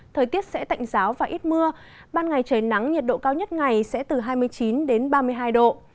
thời tiết sẽ tạnh giáo và ít mưa ban ngày trời nắng nhiệt độ cao nhất ngày sẽ từ hai mươi chín đến ba mươi hai độ